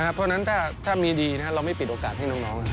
เพราะฉะนั้นถ้ามีดีเราไม่ปิดโอกาสให้น้อง